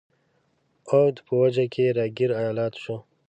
اَوَد په وچه کې را ګیر ایالت شو.